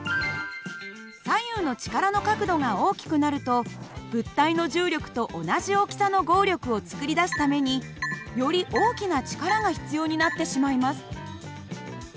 左右の力の角度が大きくなると物体の重力と同じ大きさの合力を作り出すためにより大きな力が必要になってしまいます。